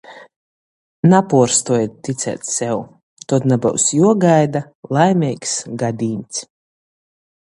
Napuorstuojit ticēt sev, tod nabyus juogaida laimeigs gadīņs.